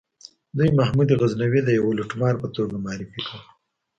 دوی محمود غزنوي د یوه لوټمار په توګه معرفي کړ.